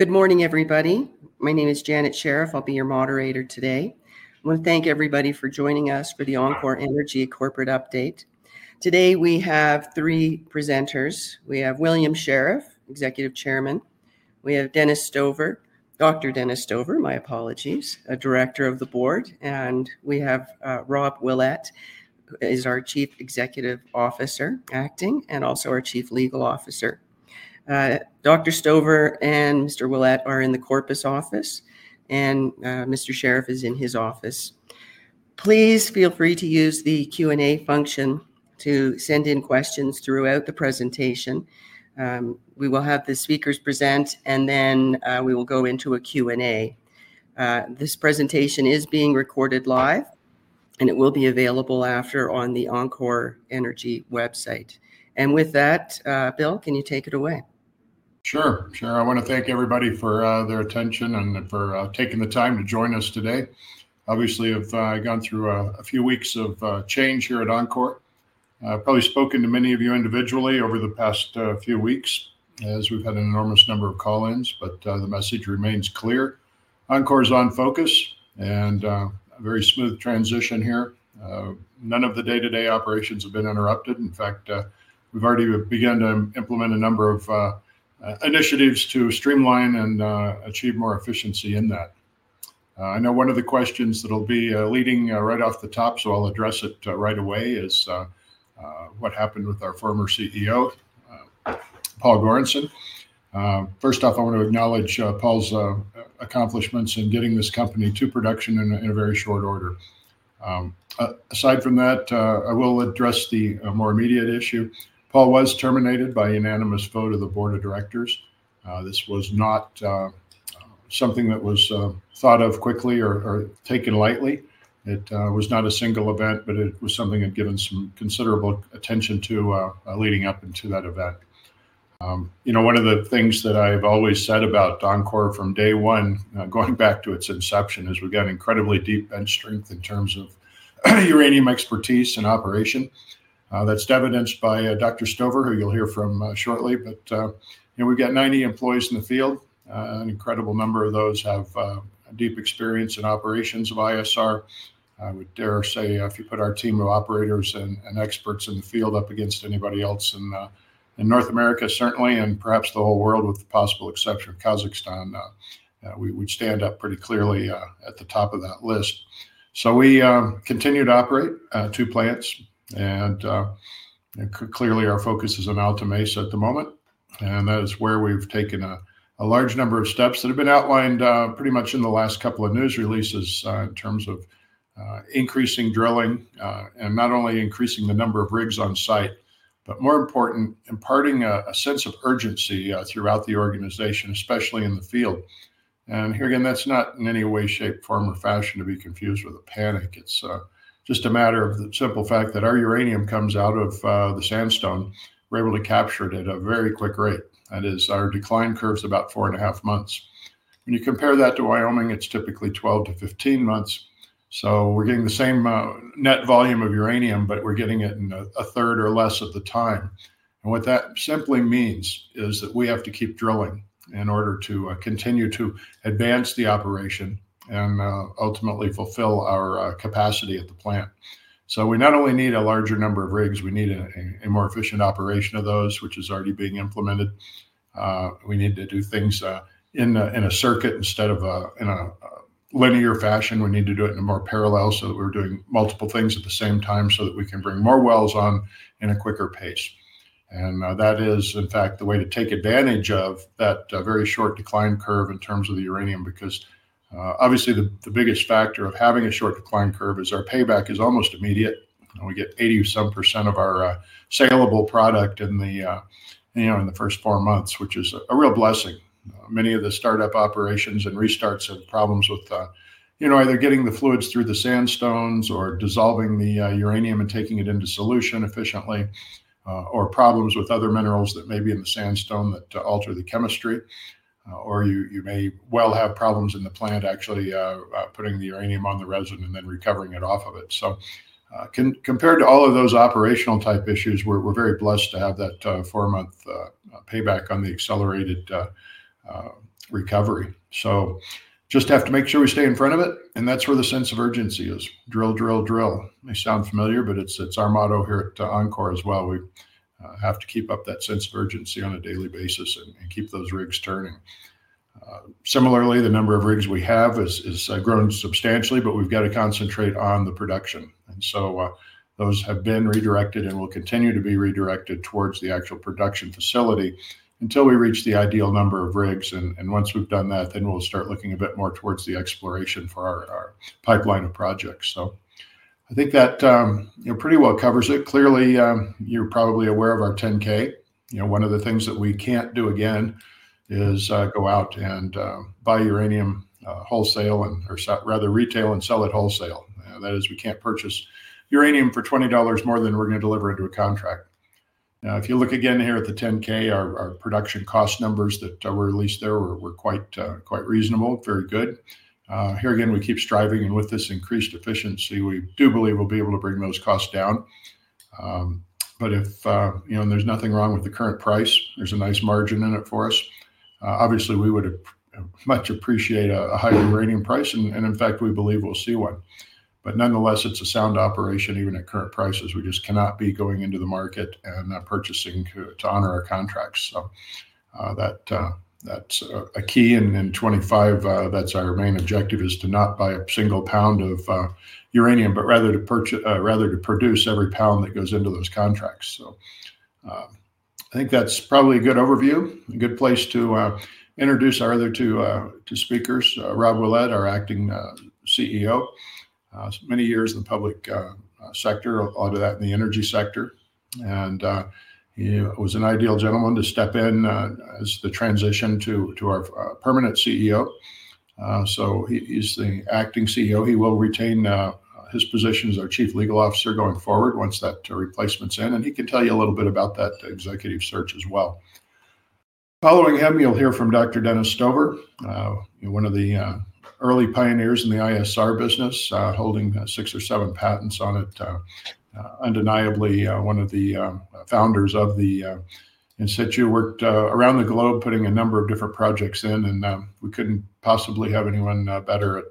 Good morning, everybody. My name is Janet Sheriff. I'll be your moderator today. I want to thank everybody for joining us for the enCore Energy Corporate Update. Today we have three presenters. We have William Sheriff, Executive Chairman. We have Dennis Stover, Dr. Dennis Stover, my apologies, a Director of the Board. And we have Rob Willette, who is our Chief Executive Officer, acting, and also our Chief Legal Officer. Dr. Stover and Mr. Willette are in the Corpus office, and Mr. Sheriff is in his office. Please feel free to use the Q&A function to send in questions throughout the presentation. We will have the speakers present, and then we will go into a Q&A. This presentation is being recorded live, and it will be available after on the enCore Energy website. With that, Bill, can you take it away? Sure, sure. I want to thank everybody for their attention and for taking the time to join us today. Obviously, I've gone through a few weeks of change here at enCore. I've probably spoken to many of you individually over the past few weeks as we've had an enormous number of call-ins, but the message remains clear. enCore is on focus and a very smooth transition here. None of the day-to-day operations have been interrupted. In fact, we've already begun to implement a number of initiatives to streamline and achieve more efficiency in that. I know one of the questions that'll be leading right off the top, so I'll address it right away, is what happened with our former CEO, Paul Goranson. First off, I want to acknowledge Paul's accomplishments in getting this company to production in a very short order. Aside from that, I will address the more immediate issue. Paul was terminated by unanimous vote of the Board of Directors. This was not something that was thought of quickly or taken lightly. It was not a single event, but it was something I'd given some considerable attention to leading up into that event. You know, one of the things that I've always said about enCore from day one, going back to its inception, is we've got incredibly deep bench strength in terms of uranium expertise and operation. That's evidenced by Dr. Stover, who you'll hear from shortly. We've got 90 employees in the field. An incredible number of those have deep experience in operations of ISR. I would dare say, if you put our team of operators and experts in the field up against anybody else in North America, certainly, and perhaps the whole world, with the possible exception of Kazakhstan, we would stand up pretty clearly at the top of that list. We continue to operate two plants, and clearly our focus is on Alta Mesa at the moment. That is where we've taken a large number of steps that have been outlined pretty much in the last couple of news releases in terms of increasing drilling and not only increasing the number of rigs on site, but more important, imparting a sense of urgency throughout the organization, especially in the field. Here again, that's not in any way, shape, form, or fashion to be confused with a panic. It's just a matter of the simple fact that our uranium comes out of the sandstone. We're able to capture it at a very quick rate. That is, our decline curve is about four and a half months. When you compare that to Wyoming, it's typically 12-15 months. We are getting the same net volume of uranium, but we are getting it in a third or less of the time. What that simply means is that we have to keep drilling in order to continue to advance the operation and ultimately fulfill our capacity at the plant. We not only need a larger number of rigs, we need a more efficient operation of those, which is already being implemented. We need to do things in a circuit instead of in a linear fashion. We need to do it in a more parallel so that we're doing multiple things at the same time so that we can bring more wells on in a quicker pace. That is, in fact, the way to take advantage of that very short decline curve in terms of the uranium, because obviously the biggest factor of having a short decline curve is our payback is almost immediate. We get 80% some of our saleable product in the first four months, which is a real blessing. Many of the startup operations and restarts have problems with either getting the fluids through the sandstones or dissolving the uranium and taking it into solution efficiently, or problems with other minerals that may be in the sandstone that alter the chemistry. You may well have problems in the plant actually putting the uranium on the resin and then recovering it off of it. Compared to all of those operational type issues, we're very blessed to have that four-month payback on the accelerated recovery. We just have to make sure we stay in front of it. That is where the sense of urgency is. Drill, drill, drill. May sound familiar, but it's our motto here at enCore as well. We have to keep up that sense of urgency on a daily basis and keep those rigs turning. Similarly, the number of rigs we have has grown substantially, but we've got to concentrate on the production. Those have been redirected and will continue to be redirected towards the actual production facility until we reach the ideal number of rigs. Once we've done that, we'll start looking a bit more towards the exploration for our pipeline of projects. I think that pretty well covers it. Clearly, you're probably aware of our 10-K. One of the things that we can't do again is go out and buy uranium wholesale and, or rather, retail and sell at wholesale. That is, we can't purchase uranium for $20 more than we're going to deliver into a contract. Now, if you look again here at the 10-K, our production cost numbers that were released there were quite reasonable, very good. Here again, we keep striving. With this increased efficiency, we do believe we'll be able to bring those costs down. If there's nothing wrong with the current price, there's a nice margin in it for us. Obviously, we would much appreciate a higher uranium price. In fact, we believe we'll see one. Nonetheless, it's a sound operation, even at current prices. We just cannot be going into the market and not purchasing to honor our contracts. That's a key. In 2025, that's our main objective, is to not buy a single pound of uranium, but rather to produce every pound that goes into those contracts. I think that's probably a good overview, a good place to introduce our other two speakers, Rob Willette, our Acting CEO. Many years in the public sector, a lot of that in the energy sector. He was an ideal gentleman to step in as the transition to our permanent CEO. He's the Acting CEO. He will retain his position as our Chief Legal Officer going forward once that replacement's in. He can tell you a little bit about that executive search as well. Following him, you'll hear from Dr. Dennis Stover, one of the early pioneers in the ISR business, holding six or seven patents on it. Undeniably, one of the founders of the in situ, worked around the globe putting a number of different projects in. We couldn't possibly have anyone better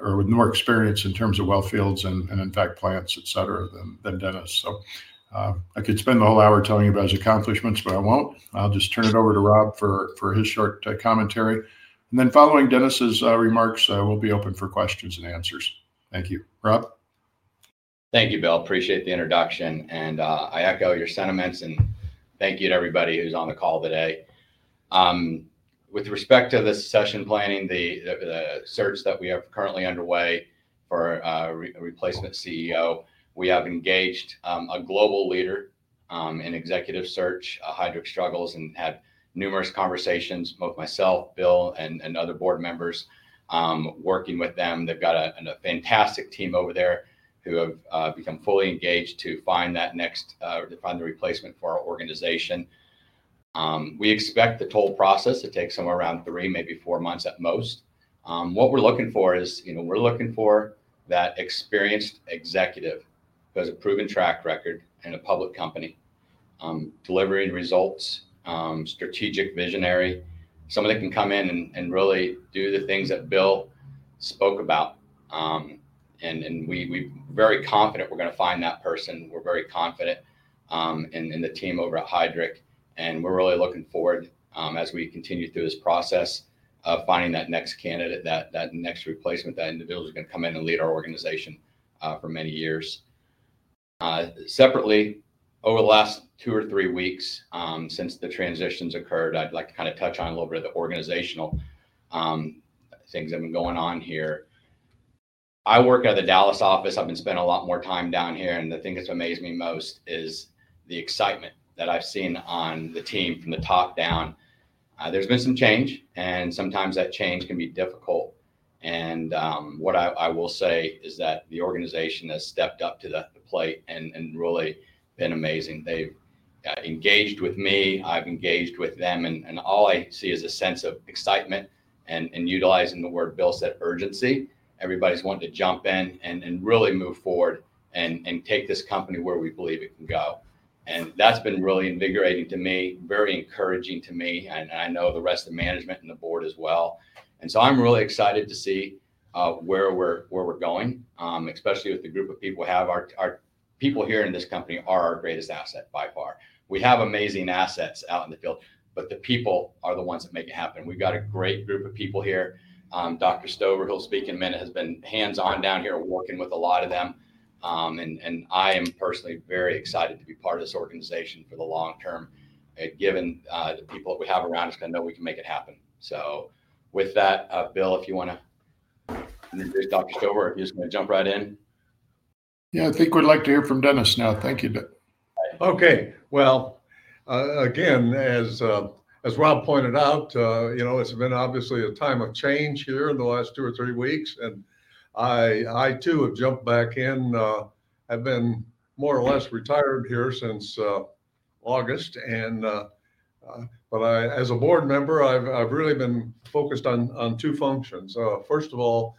or with more experience in terms of well fields and, in fact, plants, et cetera, than Dennis. I could spend the whole hour telling you about his accomplishments, but I won't. I'll just turn it over to Rob for his short commentary. Following Dennis's remarks, we'll be open for questions and answers. Thank you, Rob. Thank you, Bill. Appreciate the introduction. I echo your sentiments and thank you to everybody who's on the call today. With respect to the session planning, the search that we have currently underway for a replacement CEO, we have engaged a global leader in executive search, Heidrick & Struggles, and had numerous conversations, both myself, Bill, and other board members working with them. They've got a fantastic team over there who have become fully engaged to find that next, find the replacement for our organization. We expect the total process to take somewhere around three, maybe four months at most. What we're looking for is, we're looking for that experienced executive who has a proven track record in a public company delivering results, strategic visionary, somebody that can come in and really do the things that Bill spoke about. We're very confident we're going to find that person. We're very confident in the team over at Heidrick. We're really looking forward, as we continue through this process, to finding that next candidate, that next replacement, that individual who's going to come in and lead our organization for many years. Separately, over the last two or three weeks since the transitions occurred, I'd like to kind of touch on a little bit of the organizational things that have been going on here. I work at the Dallas office. I've been spending a lot more time down here. The thing that's amazed me most is the excitement that I've seen on the team from the top down. There's been some change, and sometimes that change can be difficult. What I will say is that the organization has stepped up to the plate and really been amazing. They've engaged with me. I've engaged with them. All I see is a sense of excitement and, utilizing the word Bill said, urgency. Everybody's wanting to jump in and really move forward and take this company where we believe it can go. That's been really invigorating to me, very encouraging to me. I know the rest of the management and the board as well. I'm really excited to see where we're going, especially with the group of people we have. Our people here in this company are our greatest asset by far. We have amazing assets out in the field, but the people are the ones that make it happen. We've got a great group of people here. Dr. Stover, who'll speak in a minute, has been hands-on down here, working with a lot of them. I am personally very excited to be part of this organization for the long term, given the people that we have around us, because I know we can make it happen. Bill, if you want to introduce Dr. Stover, if you just want to jump right in. Yeah, I think we'd like to hear from Dennis now. Thank you, Rob. Okay. As Rob pointed out, it's been obviously a time of change here in the last two or three weeks. I, too, have jumped back in. I've been more or less retired here since August. As a board member, I've really been focused on two functions. First of all,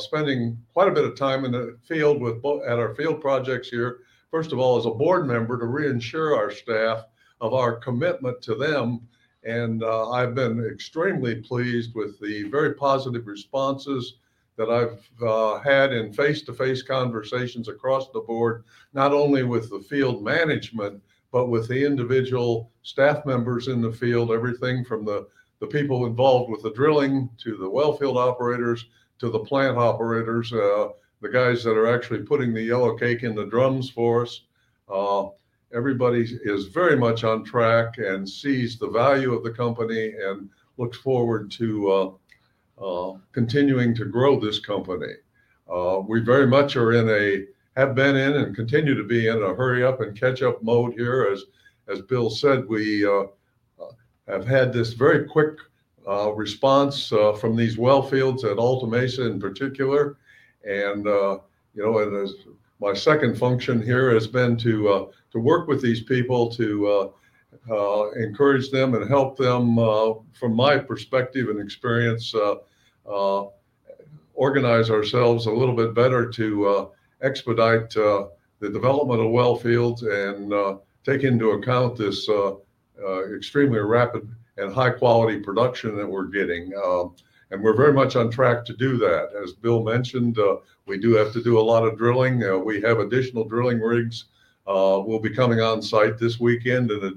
spending quite a bit of time in the field at our field projects here, as a board member, to reassure our staff of our commitment to them. I've been extremely pleased with the very positive responses that I've had in face-to-face conversations across the board, not only with the field management, but with the individual staff members in the field, everything from the people involved with the drilling to the well field operators to the plant operators, the guys that are actually putting the yellowcake in the drums for us. Everybody is very much on track and sees the value of the company and looks forward to continuing to grow this company. We very much are in a, have been in and continue to be in a hurry up and catch up mode here. As Bill said, we have had this very quick response from these well fields at Alta Mesa in particular. My second function here has been to work with these people, to encourage them and help them, from my perspective and experience, organize ourselves a little bit better to expedite the development of well fields and take into account this extremely rapid and high-quality production that we're getting. We are very much on track to do that. As Bill mentioned, we do have to do a lot of drilling. We have additional drilling rigs. I will be coming on site this week and later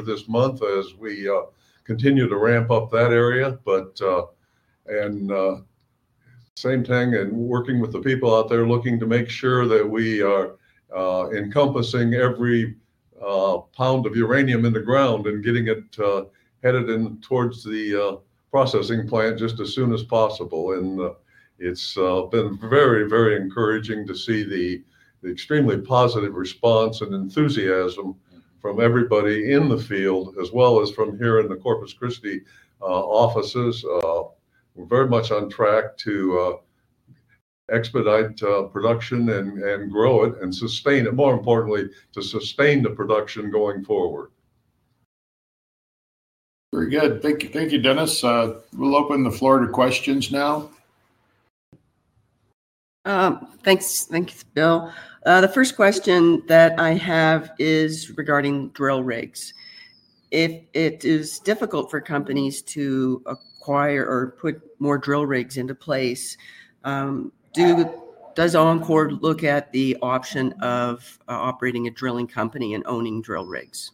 this month as we continue to ramp up that area. The same thing in working with the people out there, looking to make sure that we are encompassing every pound of uranium in the ground and getting it headed in towards the processing plant just as soon as possible. It has been very, very encouraging to see the extremely positive response and enthusiasm from everybody in the field, as well as from here in the Corpus Christi offices. We are very much on track to expedite production and grow it and, more importantly, to sustain the production going forward. Very good. Thank you, Dennis. We'll open the floor to questions now. Thanks, Bill. The first question that I have is regarding drill rigs. If it is difficult for companies to acquire or put more drill rigs into place, does enCore look at the option of operating a drilling company and owning drill rigs?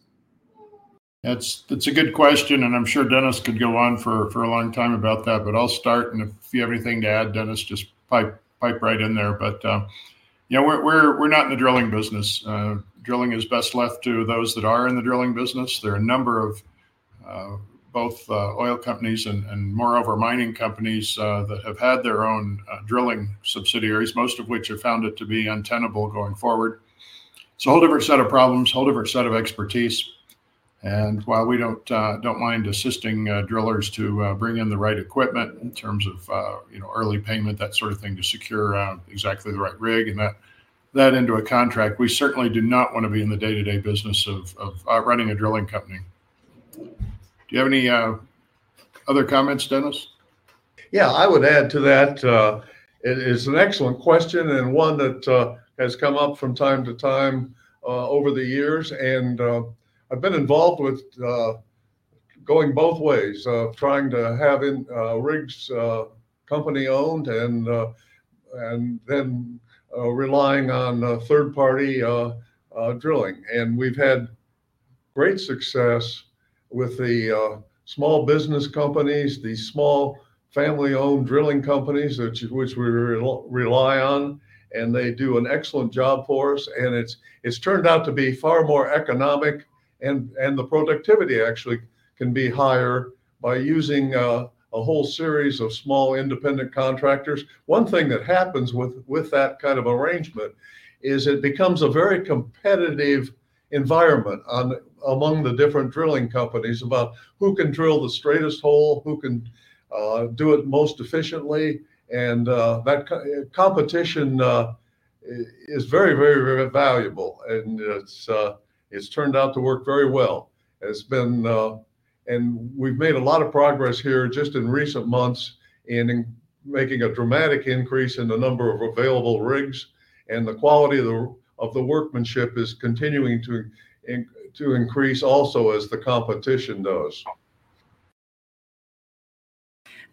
That's a good question. I'm sure Dennis could go on for a long time about that. I'll start. If you have anything to add, Dennis, just pipe right in there. We're not in the drilling business. Drilling is best left to those that are in the drilling business. There are a number of both oil companies and, moreover, mining companies that have had their own drilling subsidiaries, most of which have found it to be untenable going forward. It's a whole different set of problems, a whole different set of expertise. While we don't mind assisting drillers to bring in the right equipment in terms of early payment, that sort of thing, to secure exactly the right rig and that into a contract, we certainly do not want to be in the day-to-day business of running a drilling company. Do you have any other comments, Dennis? Yeah, I would add to that. It's an excellent question and one that has come up from time to time over the years. I've been involved with going both ways, trying to have rigs company-owned and then relying on third-party drilling. We've had great success with the small business companies, the small family-owned drilling companies which we rely on. They do an excellent job for us. It's turned out to be far more economic. The productivity actually can be higher by using a whole series of small independent contractors. One thing that happens with that kind of arrangement is it becomes a very competitive environment among the different drilling companies about who can drill the straightest hole, who can do it most efficiently. That competition is very, very, very valuable. It's turned out to work very well. We have made a lot of progress here just in recent months in making a dramatic increase in the number of available rigs. The quality of the workmanship is continuing to increase also as the competition does.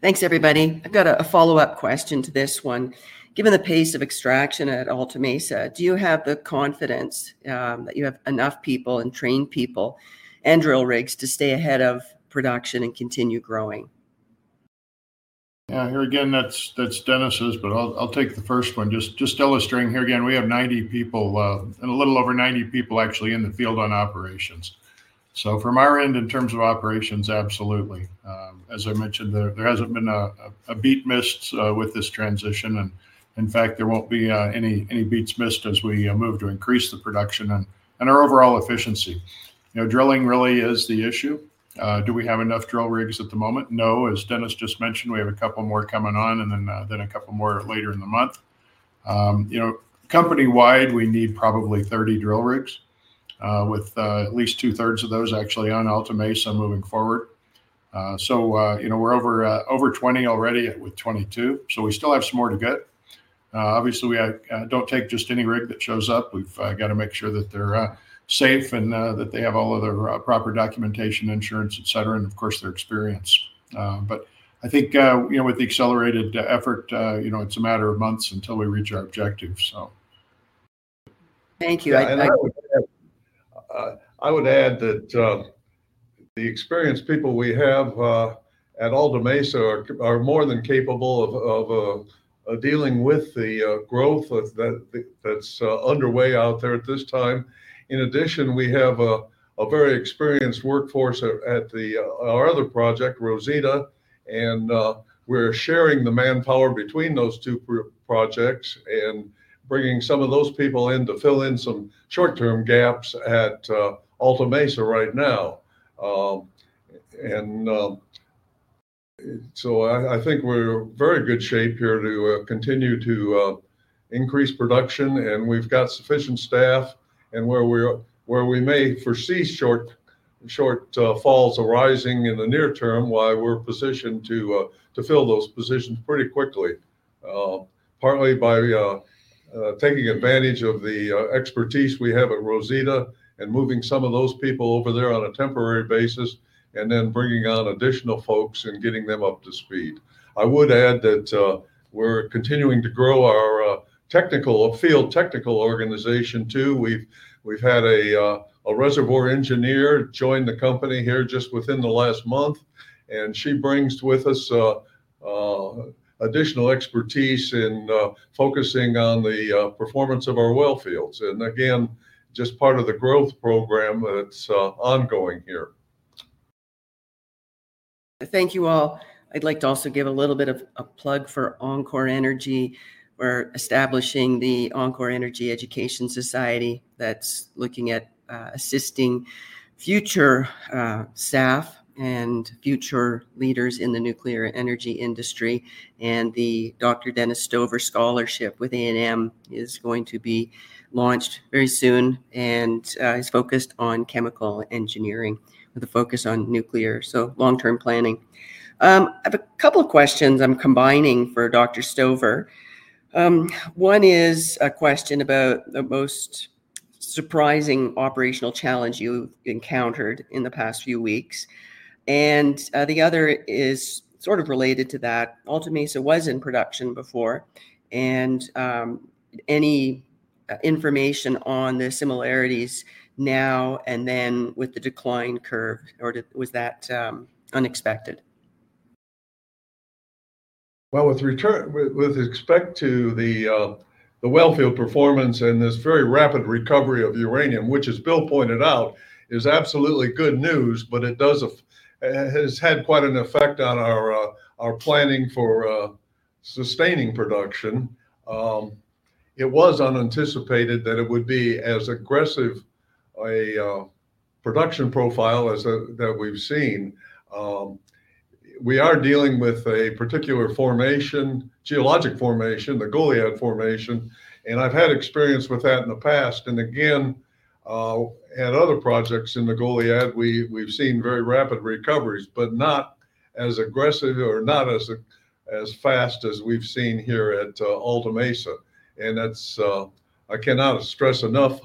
Thanks, everybody. I've got a follow-up question to this one. Given the pace of extraction at Alta Mesa, do you have the confidence that you have enough people and trained people and drill rigs to stay ahead of production and continue growing? Yeah, here again, that's Dennis's, but I'll take the first one. Just illustrating here again, we have 90 people and a little over 90 people actually in the field on operations. From our end, in terms of operations, absolutely. As I mentioned, there hasn't been a beat miss with this transition. In fact, there won't be any beats missed as we move to increase the production and our overall efficiency. Drilling really is the issue. Do we have enough drill rigs at the moment? No. As Dennis just mentioned, we have a couple more coming on and then a couple more later in the month. Company-wide, we need probably 30 drill rigs with at least 2/3 of those actually on Alta Mesa moving forward. We're over 20 already with 22. We still have some more to get. Obviously, we don't take just any rig that shows up. We've got to make sure that they're safe and that they have all of their proper documentation, insurance, et cetera, and of course, their experience. I think with the accelerated effort, it's a matter of months until we reach our objective. Thank you. I would add that the experienced people we have at Alta Mesa are more than capable of dealing with the growth that's underway out there at this time. In addition, we have a very experienced workforce at our other project, Rosita. We're sharing the manpower between those two projects and bringing some of those people in to fill in some short-term gaps at Alta Mesa right now. I think we're in very good shape here to continue to increase production. We've got sufficient staff. Where we may foresee shortfalls arising in the near term, we're positioned to fill those positions pretty quickly, partly by taking advantage of the expertise we have at Rosita and moving some of those people over there on a temporary basis and then bringing on additional folks and getting them up to speed. I would add that we're continuing to grow our field technical organization too. We've had a reservoir engineer join the company here just within the last month. She brings with us additional expertise in focusing on the performance of our well fields. Just part of the growth program that's ongoing here. Thank you all. I'd like to also give a little bit of a plug for enCore Energy. We're establishing the enCore Energy Education Society that's looking at assisting future staff and future leaders in the nuclear energy industry. And the Dr. Dennis Stover Scholarship with A&M is going to be launched very soon and is focused on chemical engineering with a focus on nuclear, so long-term planning. I have a couple of questions I'm combining for Dr. Stover. One is a question about the most surprising operational challenge you've encountered in the past few weeks. The other is sort of related to that. Alta Mesa was in production before. Any information on the similarities now and then with the decline curve, or was that unexpected? With respect to the well field performance and this very rapid recovery of uranium, which, as Bill pointed out, is absolutely good news, it has had quite an effect on our planning for sustaining production. It was unanticipated that it would be as aggressive a production profile as that we've seen. We are dealing with a particular geologic formation, the Goliad Formation. I've had experience with that in the past. At other projects in the Goliad, we've seen very rapid recoveries, but not as aggressive or not as fast as we've seen here at Alta Mesa. I cannot stress enough,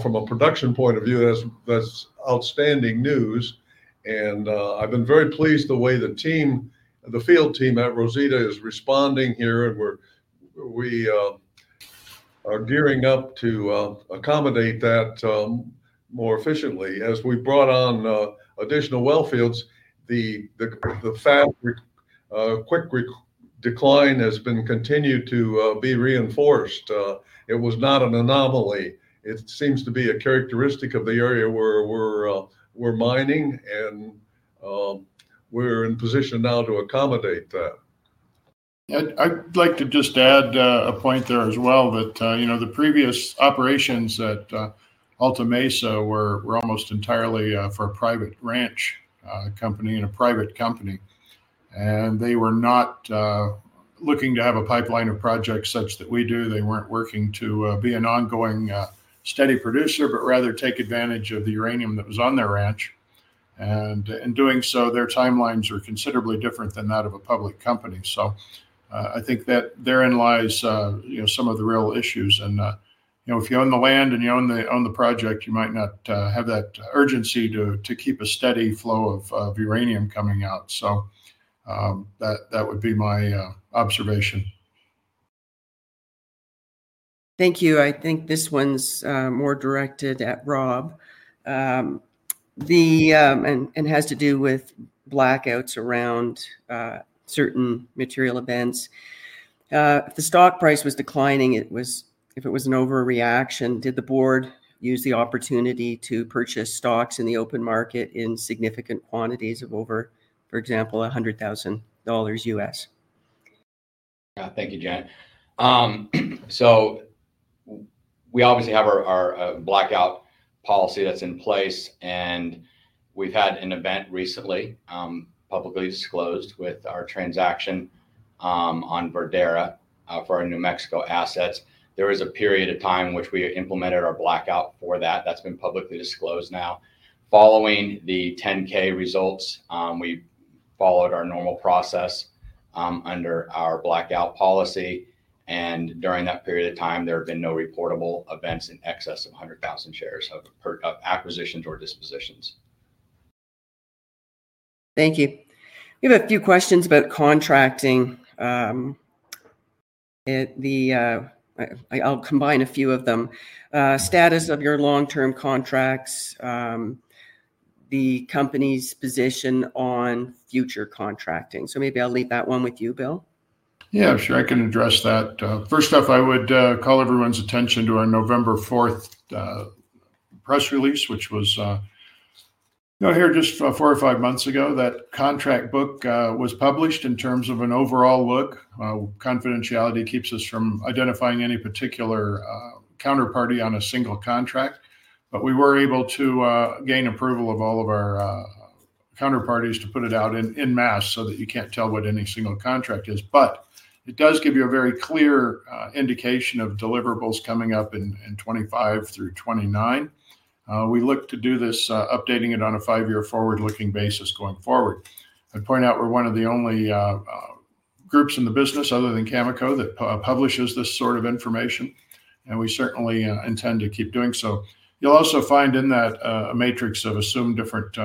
from a production point of view, that's outstanding news. I've been very pleased the way the field team at Rosita is responding here. We are gearing up to accommodate that more efficiently. As we brought on additional well fields, the quick decline has been continued to be reinforced. It was not an anomaly. It seems to be a characteristic of the area where we're mining. And we're in position now to accommodate that. I'd like to just add a point there as well that the previous operations at Alta Mesa were almost entirely for a private ranch company and a private company. They were not looking to have a pipeline of projects such that we do. They were not working to be an ongoing steady producer, but rather take advantage of the uranium that was on their ranch. In doing so, their timelines were considerably different than that of a public company. I think that therein lies some of the real issues. If you own the land and you own the project, you might not have that urgency to keep a steady flow of uranium coming out. That would be my observation. Thank you. I think this one's more directed at Rob. And it has to do with blackouts around certain material events. If the stock price was declining, if it was an overreaction, did the board use the opportunity to purchase stocks in the open market in significant quantities of over, for example, $100,000? Yeah, thank you, Jen. We obviously have our blackout policy that's in place. We have had an event recently publicly disclosed with our transaction on Verdera for our New Mexico assets. There was a period of time in which we implemented our blackout for that. That's been publicly disclosed now. Following the 10-K results, we followed our normal process under our blackout policy. During that period of time, there have been no reportable events in excess of 100,000 shares of acquisitions or dispositions. Thank you. We have a few questions about contracting. I'll combine a few of them. Status of your long-term contracts, the company's position on future contracting. Maybe I'll leave that one with you, Bill. Yeah, sure. I can address that. First off, I would call everyone's attention to our November 4th press release, which was here just four or five months ago. That contract book was published in terms of an overall look. Confidentiality keeps us from identifying any particular counterparty on a single contract. We were able to gain approval of all of our counterparties to put it out in mass so that you can't tell what any single contract is. It does give you a very clear indication of deliverables coming up in 2025 through 2029. We look to do this updating it on a five-year forward-looking basis going forward. I'd point out we're one of the only groups in the business, other than Cameco, that publishes this sort of information. We certainly intend to keep doing so. You'll also find in that a matrix that assumed different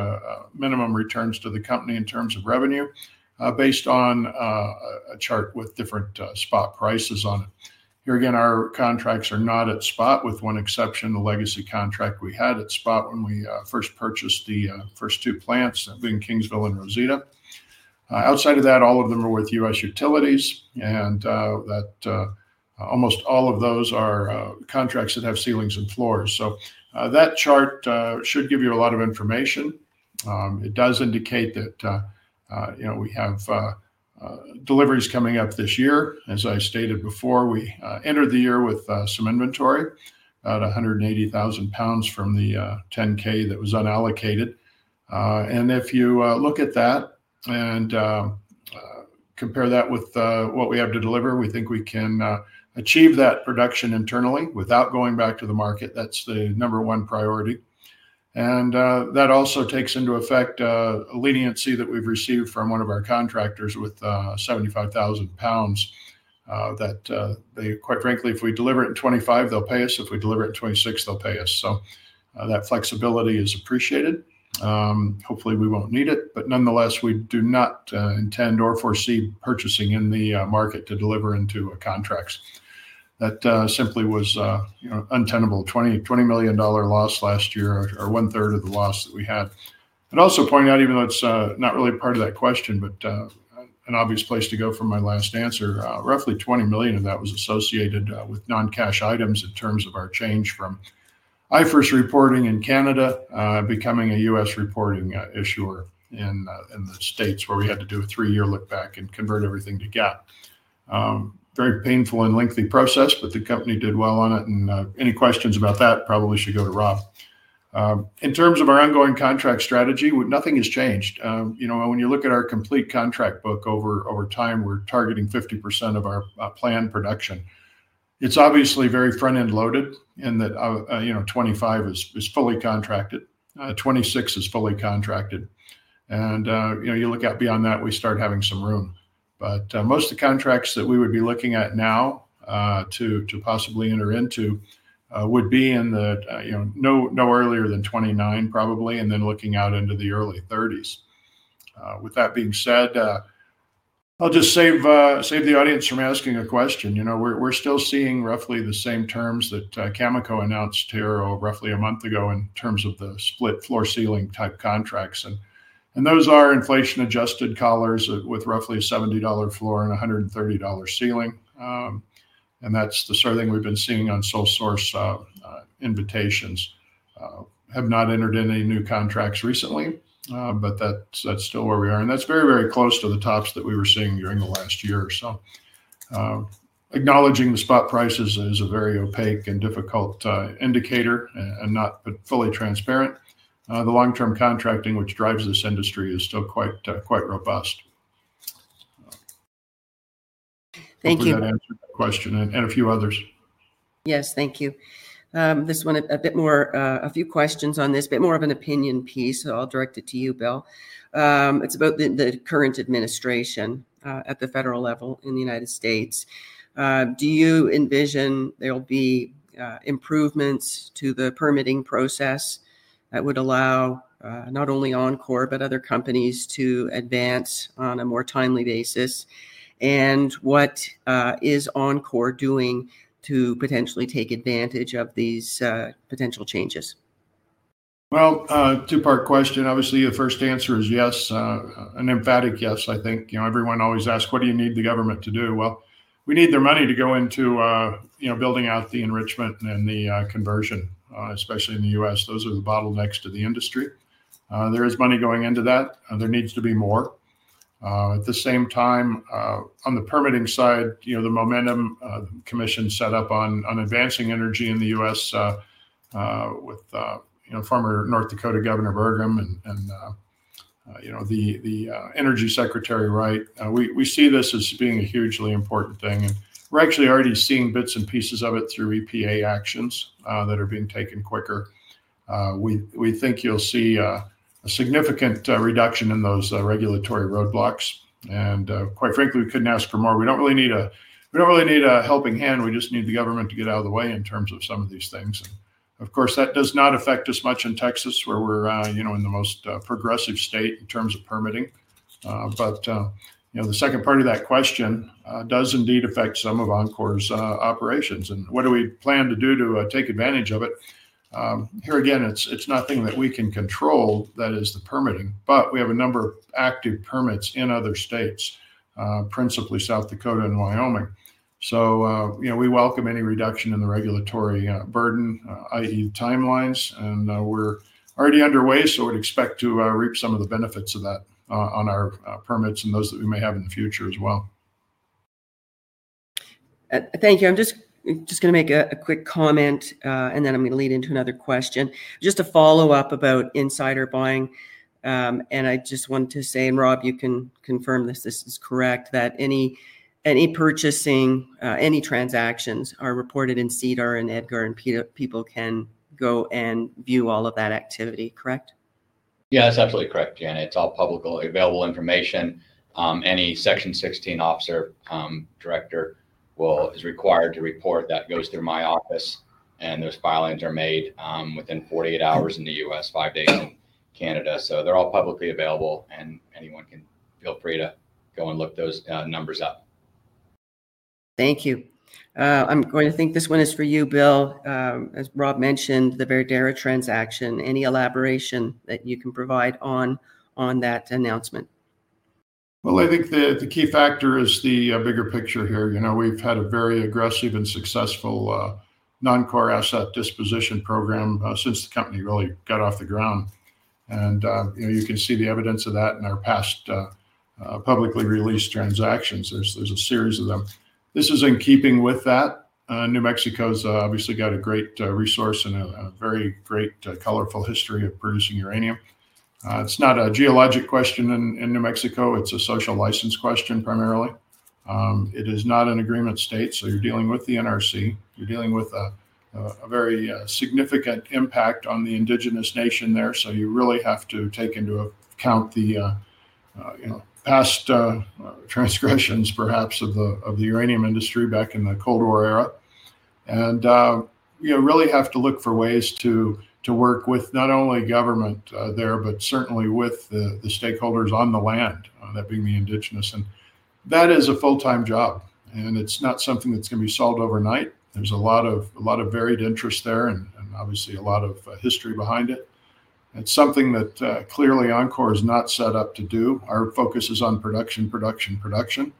minimum returns to the company in terms of revenue based on a chart with different spot prices on it. Here again, our contracts are not at spot with one exception, the legacy contract we had at spot when we first purchased the first two plants, being Kingsville and Rosita. Outside of that, all of them are with U.S. utilities. Almost all of those are contracts that have ceilings and floors. That chart should give you a lot of information. It does indicate that we have deliveries coming up this year. As I stated before, we entered the year with some inventory at 180,000 lbs from the 10-K that was unallocated. If you look at that and compare that with what we have to deliver, we think we can achieve that production internally without going back to the market. That is the number one priority. That also takes into effect a leniency that we have received from one of our contractors with 75,000 lbs that, quite frankly, if we deliver it in 2025, they will pay us. If we deliver it in 2026, they will pay us. That flexibility is appreciated. Hopefully, we will not need it. Nonetheless, we do not intend or foresee purchasing in the market to deliver into contracts. That simply was untenable. $20 million loss last year or 1/3 of the loss that we had. I also point out, even though it is not really part of that question, but an obvious place to go from my last answer, roughly $20 million of that was associated with non-cash items in terms of our change from IFRS reporting in Canada becoming a U.S. reporting issuer in the States where we had to do a three-year look back and convert everything to GAAP. Very painful and lengthy process, but the company did well on it. Any questions about that probably should go to Rob. In terms of our ongoing contract strategy, nothing has changed. When you look at our complete contract book over time, we are targeting 50% of our planned production. It is obviously very front-end loaded in that 2025 is fully contracted. 2026 is fully contracted. When you look out beyond that, we start having some room. Most of the contracts that we would be looking at now to possibly enter into would be in no earlier than 2029, probably, and then looking out into the early 2030s. With that being said, I'll just save the audience from asking a question. We're still seeing roughly the same terms that Cameco announced here roughly a month ago in terms of the split floor ceiling type contracts. Those are inflation-adjusted collars with roughly $70 floor and $130 ceiling. That's the sort of thing we've been seeing on sole source invitations. Have not entered any new contracts recently, but that's still where we are. That's very, very close to the tops that we were seeing during the last year. Acknowledging the spot prices is a very opaque and difficult indicator and not fully transparent. The long-term contracting, which drives this industry, is still quite robust. Thank you. Does that answer the question and a few others? Yes, thank you. This one, a few questions on this, a bit more of an opinion piece. I will direct it to you, Bill. It is about the current administration at the federal level in the United States. Do you envision there will be improvements to the permitting process that would allow not only enCore, but other companies to advance on a more timely basis? What is enCore doing to potentially take advantage of these potential changes? Two-part question. Obviously, the first answer is yes. An emphatic yes, I think. Everyone always asks, what do you need the government to do? We need their money to go into building out the enrichment and the conversion, especially in the U.S. Those are the bottlenecks to the industry. There is money going into that. There needs to be more. At the same time, on the permitting side, the momentum commission set up on advancing energy in the U.S. with former North Dakota Governor Burgum and the Energy Secretary, right? We see this as being a hugely important thing. We are actually already seeing bits and pieces of it through EPA actions that are being taken quicker. We think you will see a significant reduction in those regulatory roadblocks. Quite frankly, we could not ask for more. We do not really need a helping hand. We just need the government to get out of the way in terms of some of these things. Of course, that does not affect us much in Texas, where we're in the most progressive state in terms of permitting. The second part of that question does indeed affect some of enCore's operations. What do we plan to do to take advantage of it? Here again, it's nothing that we can control that is the permitting. We have a number of active permits in other states, principally South Dakota and Wyoming. We welcome any reduction in the regulatory burden, i.e. timelines. We're already underway, so we'd expect to reap some of the benefits of that on our permits and those that we may have in the future as well. Thank you. I'm just going to make a quick comment, and then I'm going to lead into another question. Just to follow up about insider buying. I just want to say, and Rob, you can confirm this is correct, that any purchasing, any transactions are reported in SEDAR and EDGAR, and people can go and view all of that activity, correct? Yeah, that's absolutely correct, Jen. It's all publicly available information. Any Section 16 officer director is required to report. That goes through my office. Those filings are made within 48 hours in the U.S., five days in Canada. They are all publicly available, and anyone can feel free to go and look those numbers up. Thank you. I'm going to think this one is for you, Bill. As Rob mentioned, the Verdera transaction, any elaboration that you can provide on that announcement? I think the key factor is the bigger picture here. We've had a very aggressive and successful non-core asset disposition program since the company really got off the ground. You can see the evidence of that in our past publicly released transactions. There's a series of them. This is in keeping with that. New Mexico's obviously got a great resource and a very great colorful history of producing uranium. It's not a geologic question in New Mexico. It's a social license question primarily. It is not an Agreement State, so you're dealing with the NRC. You're dealing with a very significant impact on the Indigenous nation there. You really have to take into account the past transgressions, perhaps, of the uranium industry back in the Cold War era. You really have to look for ways to work with not only government there, but certainly with the stakeholders on the land, that being the Indigenous. That is a full-time job. It is not something that is going to be solved overnight. There are a lot of varied interests there and obviously a lot of history behind it. It is something that clearly enCore is not set up to do. Our focus is on production, production, production.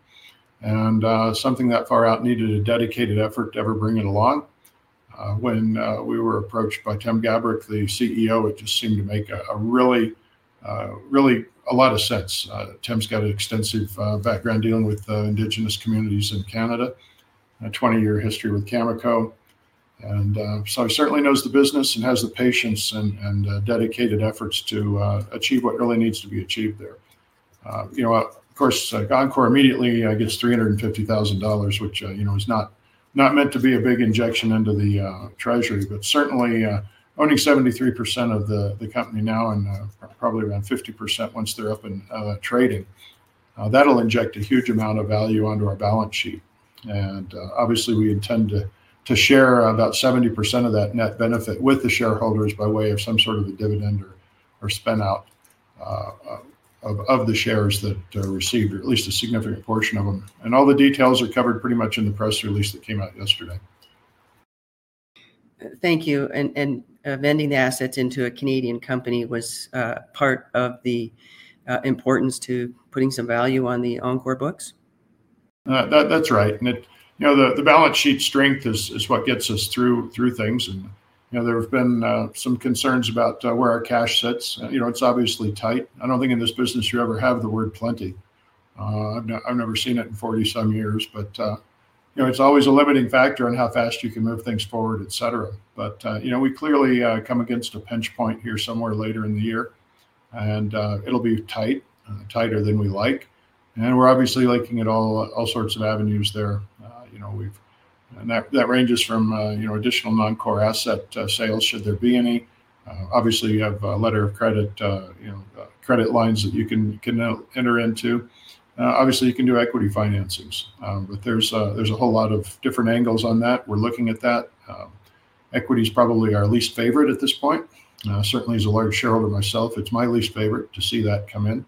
Something that far out needed a dedicated effort to ever bring it along. When we were approached by Tim Gabruch, the CEO, it just seemed to make a really a lot of sense. Tim's got an extensive background dealing with indigenous communities in Canada, a 20-year history with Cameco. He certainly knows the business and has the patience and dedicated efforts to achieve what really needs to be achieved there. Of course, enCore immediately gets $350,000, which is not meant to be a big injection into the treasury, but certainly owning 73% of the company now and probably around 50% once they're up and trading. That'll inject a huge amount of value onto our balance sheet. Obviously, we intend to share about 70% of that net benefit with the shareholders by way of some sort of a dividend or spinout of the shares that received, or at least a significant portion of them. All the details are covered pretty much in the press release that came out yesterday. Thank you. Vending the assets into a Canadian company was part of the importance to putting some value on the enCore books? That's right. The balance sheet strength is what gets us through things. There have been some concerns about where our cash sits. It's obviously tight. I don't think in this business you ever have the word plenty. I've never seen it in 40-some years, but it's always a limiting factor on how fast you can move things forward, etc. We clearly come against a pinch point here somewhere later in the year. It'll be tight, tighter than we like. We're obviously looking at all sorts of avenues there. That ranges from additional non-core asset sales should there be any. You have letter of credit lines that you can enter into. You can do equity financings. There's a whole lot of different angles on that. We're looking at that. Equity is probably our least favorite at this point. Certainly, as a large shareholder myself, it's my least favorite to see that come in.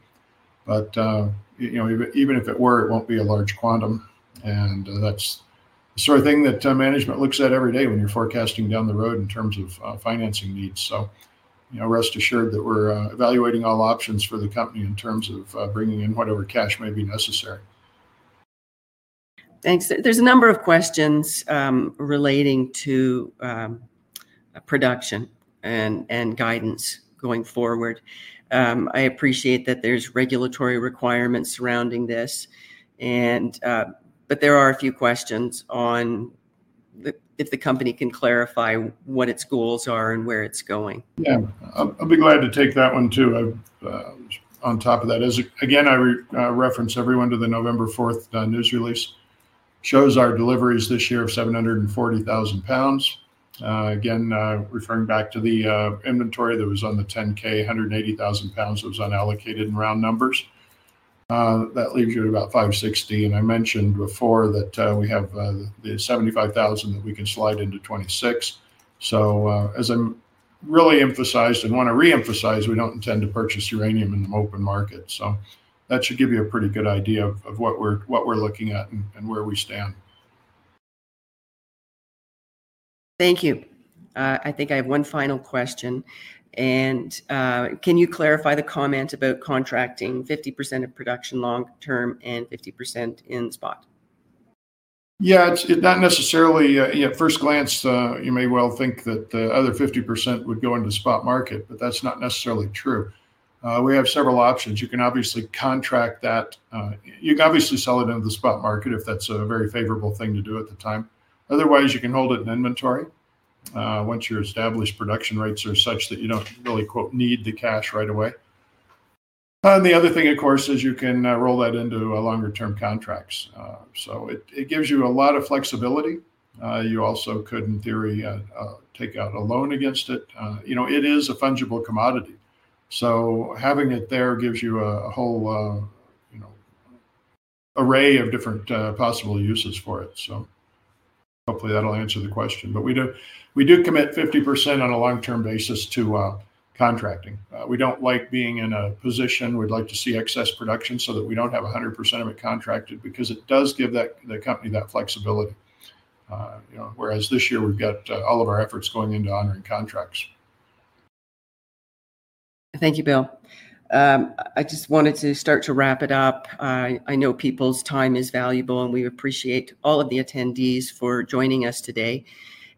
Even if it were, it won't be a large quantum. That is the sort of thing that management looks at every day when you're forecasting down the road in terms of financing needs. Rest assured that we're evaluating all options for the company in terms of bringing in whatever cash may be necessary. Thanks. There are a number of questions relating to production and guidance going forward. I appreciate that there are regulatory requirements surrounding this. There are a few questions on if the company can clarify what its goals are and where it is going. Yeah. I'll be glad to take that one too on top of that. Again, I reference everyone to the November 4th news release. Shows our deliveries this year of 740,000 lbs. Again, referring back to the inventory that was on the 10-K, 180,000 lbs that was unallocated in round numbers. That leaves you at about 560. I mentioned before that we have the 75,000 that we can slide into 2026. As I really emphasized and want to reemphasize, we don't intend to purchase uranium in the open market. That should give you a pretty good idea of what we're looking at and where we stand. Thank you. I think I have one final question. Can you clarify the comment about contracting 50% of production long-term and 50% in spot? Yeah. Not necessarily. At first glance, you may well think that the other 50% would go into spot market, but that's not necessarily true. We have several options. You can obviously contract that. You can obviously sell it into the spot market if that's a very favorable thing to do at the time. Otherwise, you can hold it in inventory once your established production rates are such that you don't really "need" the cash right away. The other thing, of course, is you can roll that into longer-term contracts. It gives you a lot of flexibility. You also could, in theory, take out a loan against it. It is a fungible commodity. Having it there gives you a whole array of different possible uses for it. Hopefully that'll answer the question. We do commit 50% on a long-term basis to contracting. We don't like being in a position. We'd like to see excess production so that we don't have 100% of it contracted because it does give the company that flexibility. Whereas this year, we've got all of our efforts going into honoring contracts. Thank you, Bill. I just wanted to start to wrap it up. I know people's time is valuable, and we appreciate all of the attendees for joining us today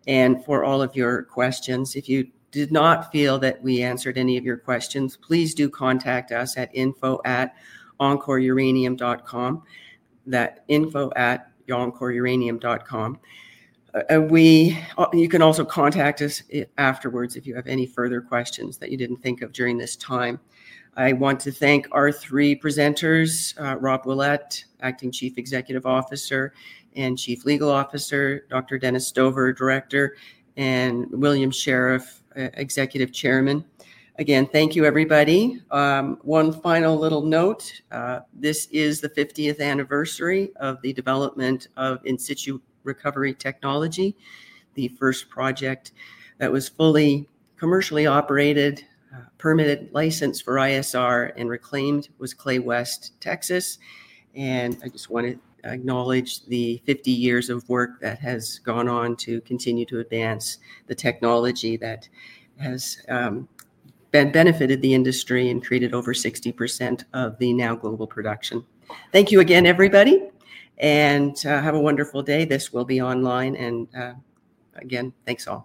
and for all of your questions. If you did not feel that we answered any of your questions, please do contact us at info@encoreuranium.com. That's info@encoreuranium.com. You can also contact us afterwards if you have any further questions that you did not think of during this time. I want to thank our three presenters, Rob Willette, Acting Chief Executive Officer and Chief Legal Officer, Dr. Dennis Stover, Director, and William Sheriff, Executive Chairman. Again, thank you, everybody. One final little note. This is the 50th anniversary of the development of in-situ recovery technology. The first project that was fully commercially operated, permitted, licensed for ISR and reclaimed was Clay West, Texas. I just want to acknowledge the 50 years of work that has gone on to continue to advance the technology that has benefited the industry and created over 60% of the now global production. Thank you again, everybody. Have a wonderful day. This will be online. Again, thanks all.